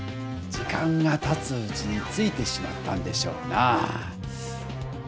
時間がたつうちについてしまったんでしょうなぁ。